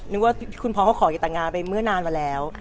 นึกว่าคุณพร้อมเข้าของเก๋ตงานไปเมื่อนานมาแล้ว